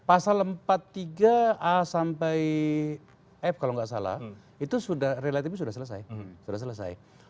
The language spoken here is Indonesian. pasal empat puluh tiga a sampai f kalau tidak salah itu relatifnya sudah selesai